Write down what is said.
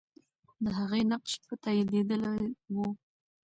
د هغې نقش به تاییدېدلی وو.